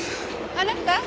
あなた！